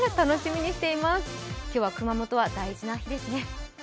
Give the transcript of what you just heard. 今日は熊本は大事な日ですね。